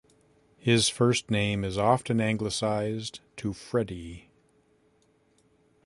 His first name is often anglicised to Freddie.